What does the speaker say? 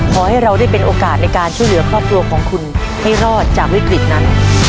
ขอให้เราได้เป็นโอกาสในการช่วยเหลือครอบครัวของคุณให้รอดจากวิกฤตนั้น